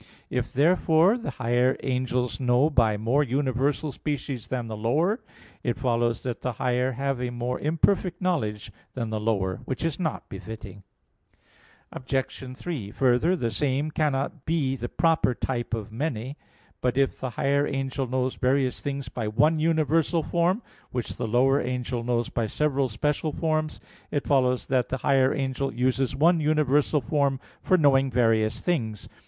If, therefore, the higher angels know by more universal species than the lower, it follows that the higher have a more imperfect knowledge than the lower; which is not befitting. Obj. 3: Further, the same cannot be the proper type of many. But if the higher angel knows various things by one universal form, which the lower angel knows by several special forms, it follows that the higher angel uses one universal form for knowing various things.